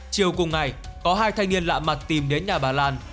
chiều cùng ngày có hai thanh niên lạ mặt tìm đến nhà bà lan